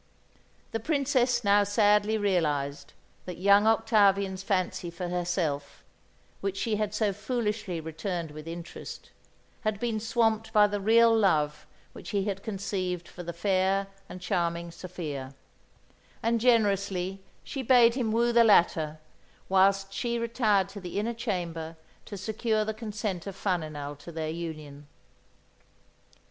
The Princess now sadly realised that young Octavian's fancy for herself which she had so foolishly returned with interest had been swamped by the real love which he had conceived for the fair and charming Sophia; and, generously, she bade him woo the latter, whilst she retired to the inner chamber to secure the consent of Faninal to their union.